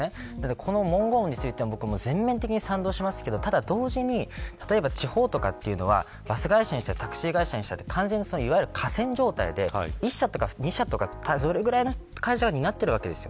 この文言について全面的に賛同しますけれどもただ同時に地方とかはバス会社にしてもタクシー会社にしても寡占状態で１社とか２社とか、それぐらいの会社が担っているわけです。